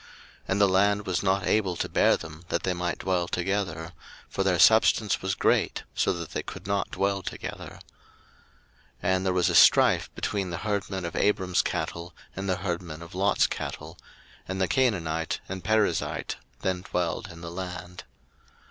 01:013:006 And the land was not able to bear them, that they might dwell together: for their substance was great, so that they could not dwell together. 01:013:007 And there was a strife between the herdmen of Abram's cattle and the herdmen of Lot's cattle: and the Canaanite and the Perizzite dwelled then in the land.